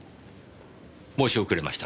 申し遅れました。